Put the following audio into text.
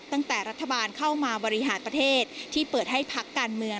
ตั้งแต่รัฐบาลเข้ามาบริหารประเทศที่เปิดให้พักการเมือง